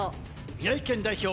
宮城県代表